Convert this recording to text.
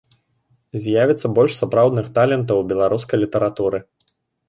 З'явіцца больш сапраўдных талентаў у беларускай літаратуры.